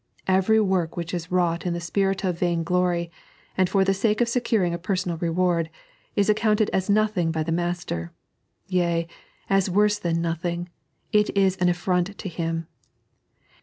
Every work which is wrought in the spirit of vaingl<n7, and for the sake of securing a personal reward, is accounted as nothing by Uie Master, yea, as worse than nothing — it is an affront to Him.